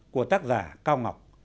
của tác giả cao ngọc